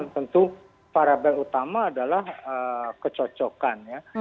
tentu variable utama adalah kecocokan ya